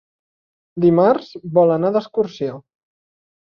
Dimarts vol anar d'excursió.